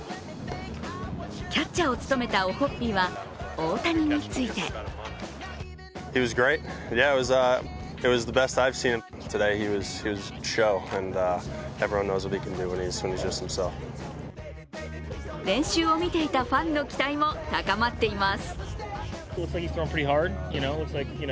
キャッチャーを務めたオホッピーは大谷について練習を見ていたファンの期待も高まっています。